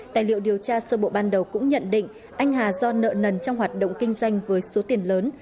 tài liệu điều tra sơ bộ ban đầu cũng nhận định anh hà do nợ nần trong hoạt động kinh doanh với số tiền lớn